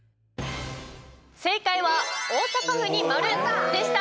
正解は大阪府に丸でした。